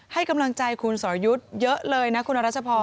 ให้กำลังใจคุณสอยุทธ์เยอะเลยนะคุณรัชพร